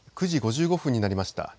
９時５５分になりました。